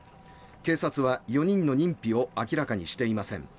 警察は４人の認否を明らかにしていません。